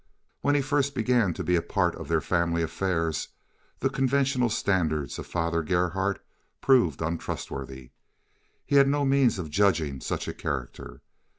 When he first began to be a part of their family affairs the conventional standards of Father Gerhardt proved untrustworthy. He had no means of judging such a character.